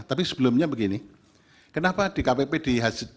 tapi sebelumnya begini kenapa dkpp dihadirkan